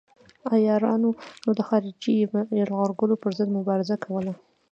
عیارانو د خارجي یرغلګرو پر ضد مبارزه کوله.